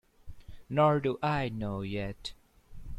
Nor do I know yet.